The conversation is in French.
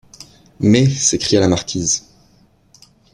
Mais, s’écria la marquise